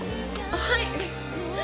はい。